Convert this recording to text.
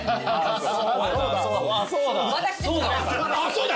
そうだ！